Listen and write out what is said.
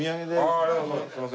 ありがとうございます。